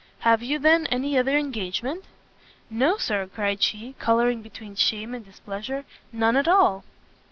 "Have you, then, any other engagement?" "No, Sir," cried she, colouring between shame and displeasure, "none at all."